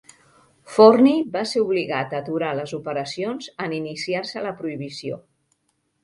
Forni va ser obligat a aturar les operacions en iniciar-se la Prohibició.